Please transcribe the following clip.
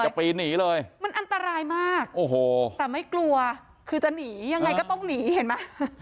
ปีนหนีเลยมันอันตรายมากโอ้โหแต่ไม่กลัวคือจะหนียังไงก็ต้องหนีเห็นไหม